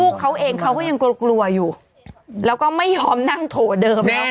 ก็ยังกลัวกลัวอยู่แล้วก็ไม่ยอมนั่งโถเดิมแล้วค่ะ